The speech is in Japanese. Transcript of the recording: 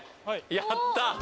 やった！